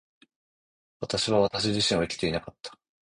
私は私自身を生きていなかった。